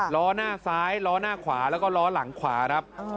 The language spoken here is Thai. ล้อหน้าซ้ายล้อหน้าขวาแล้วก็ล้อหลังขวาครับ